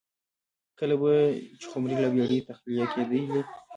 کله به چې خُمرې له بېړۍ تخلیه کېدلې